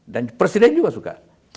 dan presiden juga suka